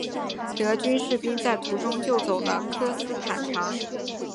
德军士兵在途中救走了科斯坦察。